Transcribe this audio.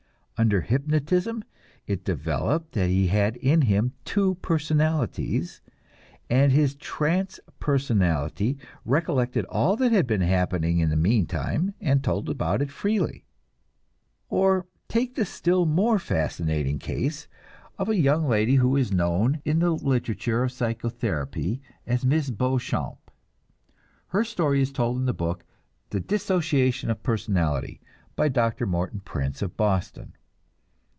Under hypnotism it developed that he had in him two personalities, and his trance personality recollected all that had been happening in the meantime and told about it freely. Or take the still more fascinating case of the young lady who is known in the literature of psychotherapy as Miss Beauchamp. Her story is told in a book, "The Dissociation of a Personality," by Dr. Morton Prince of Boston.